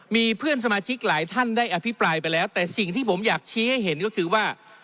มีเพื่อนสมาชิกหลายท่านได้อภิปรายไปแล้วแต่สิ่งที่ผมอยากชี้ให้เห็นก็คือว่า